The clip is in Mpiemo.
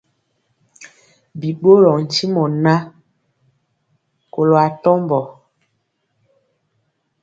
Bi ɓorɔɔ ntimɔ ŋan, kɔlo atɔmbɔ.